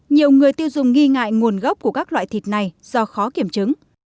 nhiều người tiêu dùng nghi ngại nguồn gốc của các loại thịt này do khó kiểm chứng